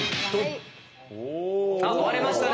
あっ割れましたね。